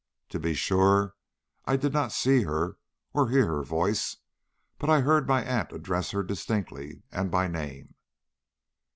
To be sure, I did not see her or hear her voice, but I heard my aunt address her distinctly and by name."